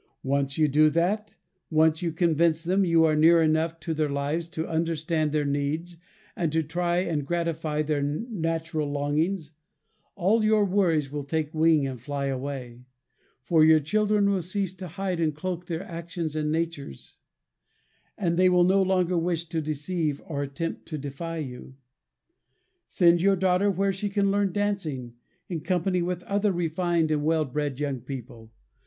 Once you do that, once you convince them you are near enough to their lives to understand their needs and to try and gratify their natural longings, all your worries will take wing and fly away; for your children will cease to hide and cloak their actions and natures, and they will no longer wish to deceive or attempt to defy you. Send your daughter where she can learn dancing, in company with other refined and well bred young people.